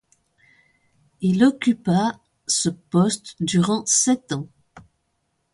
Il occupa ce poste durant sept ans.